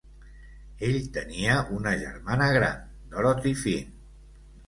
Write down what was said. Ell tenia una germana gran, Dorothy Finn.